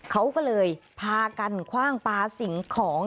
เขาก็เลยพากันคว่างปลาสิ่งของ